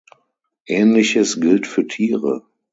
Ähnliches gilt für Tiere.